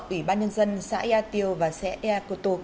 ủy ban nhân dân xã ea tiêu và xã ea cô tô